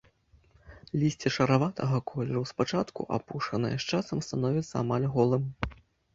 Лісце шараватага колеру, спачатку апушанае, з часам становіцца амаль голым.